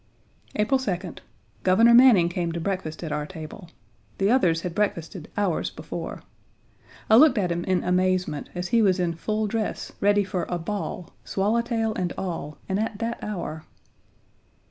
April 2d. Governor Manning came to breakfast at our table. The others had breakfasted hours before. I looked at him in amazement, as he was in full dress, ready for a ball, swallow tail and all, and at that hour.